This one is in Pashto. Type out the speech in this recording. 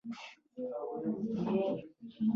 وینزیان اوس پیزا پخوي او ایس کریم جوړوي.